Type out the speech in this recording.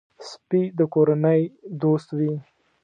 سپي د کورنۍ دوست وي.